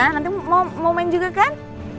nanti mau main juga kan